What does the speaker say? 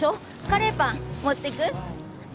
カレーパン持ってく？